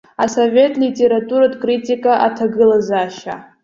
Асовет литературатә критика аҭагылазаашьа.